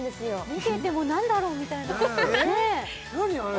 見てても何だろうみたいな何あれ？